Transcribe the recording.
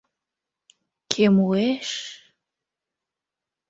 Кӧ муэш...